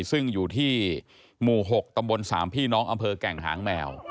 ซึ่งอยู่ที่หมู่๖ตำบล๓พี่น้องอำเภอแก่งหางแมว